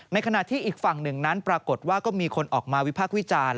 ขณะที่อีกฝั่งหนึ่งนั้นปรากฏว่าก็มีคนออกมาวิพากษ์วิจารณ์